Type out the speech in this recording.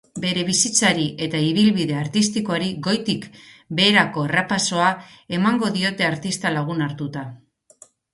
Bere bizitzari eta ibilbide artistikoari goitik beherako errepasoa emango diote artista lagun hartuta.